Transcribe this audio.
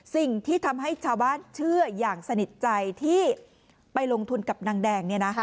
สิ่งที่ทำให้ชาวบ้านเชื่ออย่างสนิทใจที่ไปลงทุนกับนางแดง